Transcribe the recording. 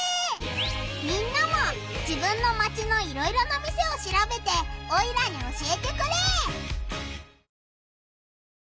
みんなも自分のマチのいろいろな店をしらべてオイラに教えてくれ！